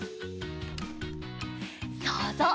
そうぞう。